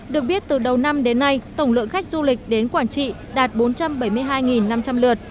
được biết từ đầu năm đến nay tổng lượng khách du lịch đến quảng trị đạt bốn trăm bảy mươi hai năm trăm linh lượt